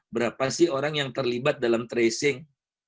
berapa sih orang yang terlibat dalam tracing